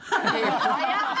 早っ！